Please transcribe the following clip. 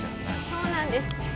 そうなんです。